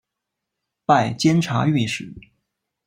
拜监察御史。